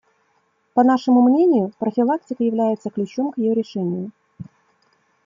По нашему мнению, профилактика является ключом к ее решению.